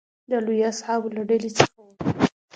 د لویو اصحابو له ډلې څخه و.